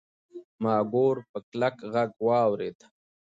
ما ګور په کلک غږ واورېد.